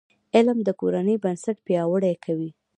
علم د کورنۍ بنسټ پیاوړی کوي.